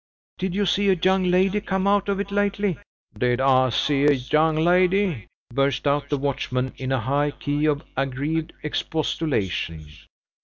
"Did you see a young lady come out of it lately?" "Did I see a young lady?" burst out the watchman, in a high key of aggrieved expostulation.